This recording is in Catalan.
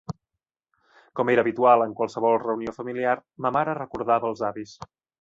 Com era habitual en qualsevol reunió familiar, ma mare recordava els avis.